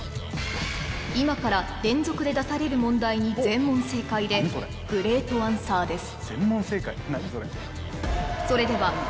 今から連続で出される問題に全問正解でグレートアンサーです